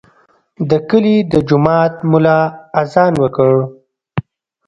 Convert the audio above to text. د کلي د جومات ملا اذان وکړ.